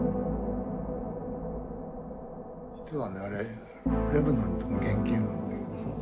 実はねあれ「レヴェナント」の原形なんだよ。